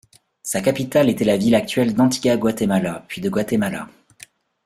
Sa capitale était la ville actuelle d'Antigua Guatemala puis de Guatemala.